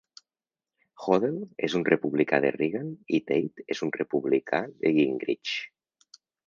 Hodel és un republicà de Reagan i Tate és un republicà de Gingrich.